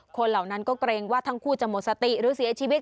เหล่านั้นก็เกรงว่าทั้งคู่จะหมดสติหรือเสียชีวิต